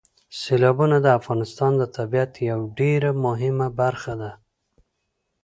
سیلابونه د افغانستان د طبیعت یوه ډېره مهمه برخه ده.